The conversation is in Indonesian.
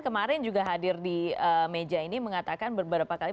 kemarin juga hadir di meja ini mengatakan beberapa kali